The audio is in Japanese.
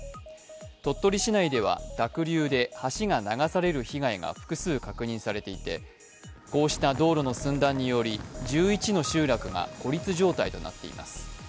鳥取市内では濁流で橋が流される被害が複数確認されていてこうした道路の寸断により１１の集落が孤立状態となっています。